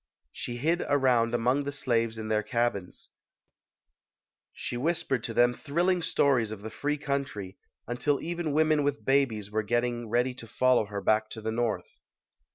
She hid around among the slaves in their cabins. She whispered to them thrilling stories of the free country, until even women with babies were get ting ready to follow her back to the North.